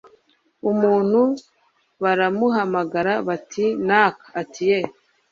umuntu baramuhamagara, bati «naka» , ati «yee